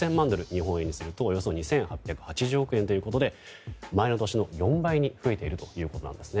日本円にするとおよそ２８８０億円ということで前の年の４倍に増えているということなんです。